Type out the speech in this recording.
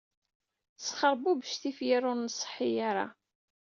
Sxerbubec tifyar ur nṣeḥḥi ara.